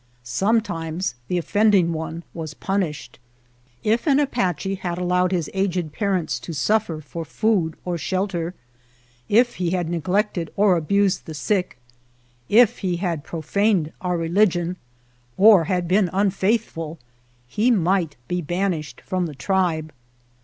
Sometimes the offending one was punished. If an Apache had allowed his aged par ents to suffer for food or shelter, if he had neglected or abused the sick, if he had pro faned our religion, or had been unfaithful, he might be banished from the tribe.